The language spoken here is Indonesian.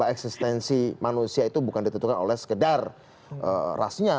eksistensi manusia itu bukan ditentukan oleh sekedar rasnya